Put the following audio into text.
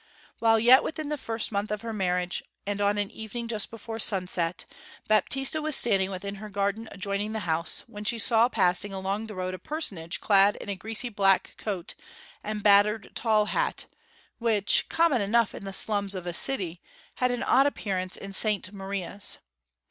While yet within the first month of her marriage, and on an evening just before sunset, Baptista was standing within her garden adjoining the house, when she saw passing along the road a personage clad in a greasy black coat and battered tall hat, which, common enough in the slums of a city, had an odd appearance in St Maria's.